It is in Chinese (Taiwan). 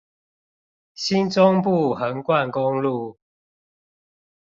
新中部橫貫公路